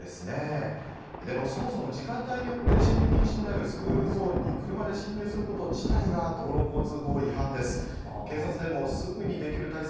でも、そもそも時間帯によって進入禁止になるスクールゾーンに車両で進入すること自体が道路交通法違反です。